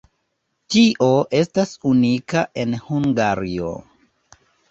Tio estas unika en Hungario.